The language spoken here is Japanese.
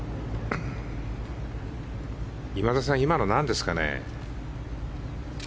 今田さん、今のはなんですかね？